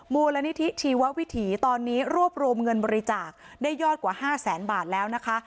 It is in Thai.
มูลนิธิชีววิถีตอนนี้รวบรวมเงินบริจาคได้ยอดกว่า๕แสนบาทแล้วนะคะ